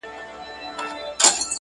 د را پاتې نفرتونو زور به یې